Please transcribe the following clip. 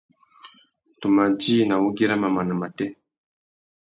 Tu mà djï nà wugüira mamana matê.